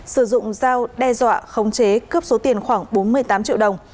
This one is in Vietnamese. sử dụng dao đe dọa khống chế cướp số tiền khoảng bốn mươi tám triệu đồng